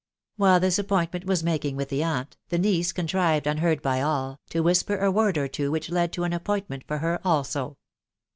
While this appointment was making with the aunt, the niece contrived, unheard by all, to .whisper a word or two which led to an appointment for her also.